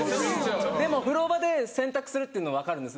でも風呂場で洗濯するっていうの分かるんです。